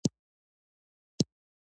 امیر شیر علي خان پښتو اصطلاحات کارول.